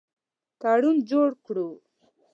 تړون جوړ کړو.